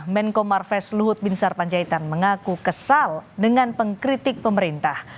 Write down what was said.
menko marves luhut bin sarpanjaitan mengaku kesal dengan pengkritik pemerintah